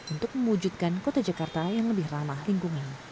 untuk mewujudkan kota jakarta yang lebih ramah lingkungan